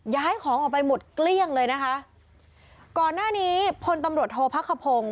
ย้ายของออกไปหมดเกลี้ยงเลยนะคะก่อนหน้านี้พลตำรวจโทษพักขพงศ์